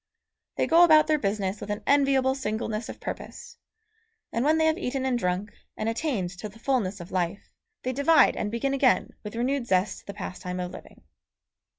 They go about their business with an enviable singleness of purpose, and when they have eaten and drunk, and attained to the fulness of life, they divide and begin again with renewed zest the pastime of living.